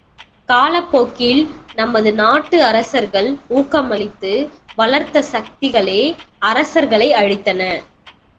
காலப்போக்கில் நமது நாட்டு அரசர்கள் ஊக்கமளித்து வளர்த்த சக்திகளே அரசர்களை அழித்தன.